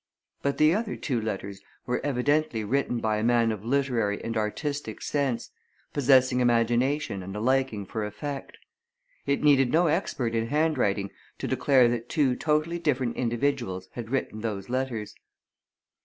But the other two letters were evidently written by a man of literary and artistic sense, possessing imagination and a liking for effect. It needed no expert in handwriting to declare that two totally different individuals had written those letters.